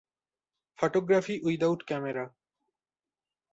Photography without camera!